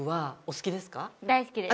大好きです。